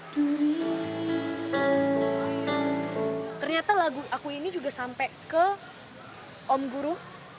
ternyata lagu aku ini juga sampai ke om guru